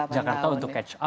jakarta untuk catch up